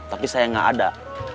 tapi saya gak ada